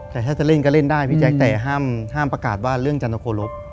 แต่ถ้าจะเล่นก็เล่นได้พี่แจ๊คแต่ห้ามประกาศว่าเรื่องจันทโครบ